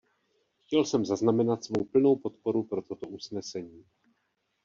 Chtěl jsem zaznamenat svou plnou podporu pro toto usnesení.